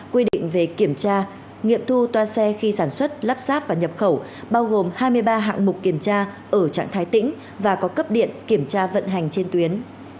quy định về kiểm tra nghiệm thu toa xe khi sản xuất lắp ráp và nhập khẩu bao gồm hai mươi ba hạng mục kiểm tra ở trạng thái tĩnh và có cấp điện kiểm tra vận hành trên tuyến